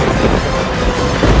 kau tidak bisa menang